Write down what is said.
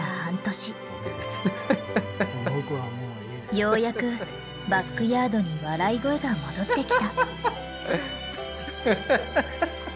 ようやくバックヤードに笑い声が戻ってきた。